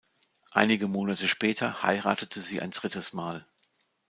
Einige Monate später heiratete sie ein drittes Mal.